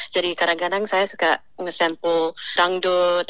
jadi kadang kadang saya suka nge sample dangdut